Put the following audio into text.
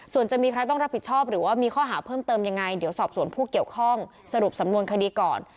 ส่วนจะมีใครต้องรับผิดชอบหรือว่ามีข้อหาเพิ่มเติมยังไงเดี๋ยวสอบส่วนผู้เกี่ยวข้องสรุปสำนวนคดีก่อน